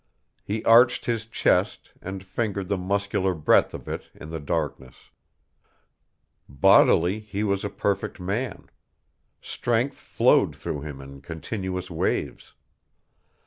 He arched his chest and fingered the muscular breadth of it in the darkness. Bodily, he was a perfect man. Strength flowed through him in continuous waves.